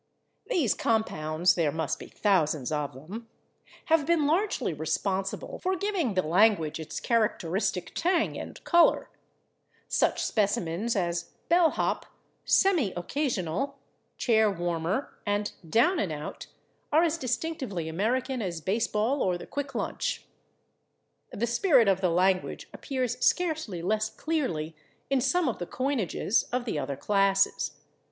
These compounds (there must be thousands of them) have been largely responsible for giving the language its characteristic tang and color. Such specimens as /bell hop/, /semi occasional/, /chair warmer/ and /down and out/ are as distinctively American as baseball or the quick lunch. The spirit of the language appears scarcely less clearly in some of the coinages of the other classes.